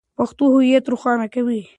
پښتو هویت روښانه کوي.